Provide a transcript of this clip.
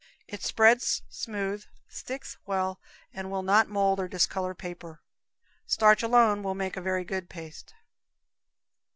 It spreads smooth, sticks well and will not mold or discolor paper. Starch alone will make a very good paste.